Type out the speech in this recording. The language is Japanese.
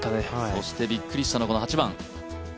そしてびっくりしたのがこの８番。